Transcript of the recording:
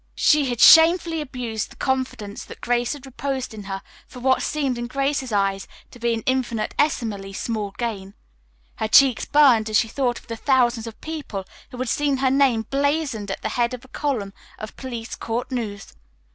She had shamefully abused the confidence that Grace had reposed in her for what seemed in Grace's eyes to be an infinitesimally small gain. Her cheeks burned as she thought of the thousands of people who had seen her name blazoned at the head of a column of police court news.